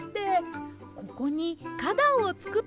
ここにかだんをつくったんです。